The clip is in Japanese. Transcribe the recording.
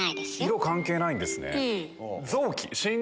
色関係ないんですね。